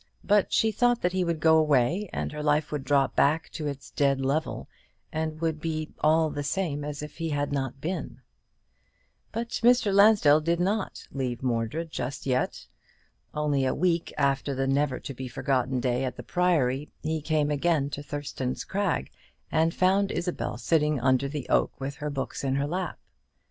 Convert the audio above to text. But she thought that he would go away, and her life would drop back to its dead level, and would be "all the same as if he had not been." But Mr. Lansdell did not leave Mordred just yet. Only a week after the never to be forgotten day at the Priory, he came again to Thurston's Crag, and found Isabel sitting under the oak with her books in her lap.